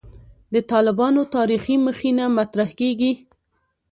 د «طالبانو تاریخي مخینه» مطرح کېږي.